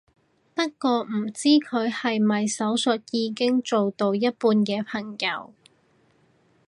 不過唔知佢係咪手術已經做到一半嘅朋友